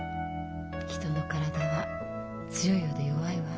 人の体は強いようで弱いわ。